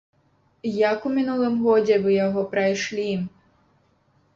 Як у мінулым годзе вы яго прайшлі?